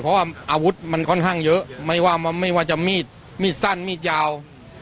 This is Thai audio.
เพราะว่าอาวุธมันค่อนข้างเยอะไม่ว่าไม่ว่าจะมีดมีดสั้นมีดยาว